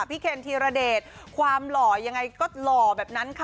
เคนธีรเดชความหล่อยังไงก็หล่อแบบนั้นค่ะ